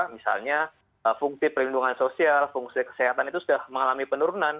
misalnya fungsi perlindungan sosial fungsi kesehatan itu sudah mengalami penurunan